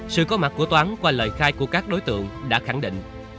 sự có mặt của toán qua lời khai của các đối tượng đã khẳng định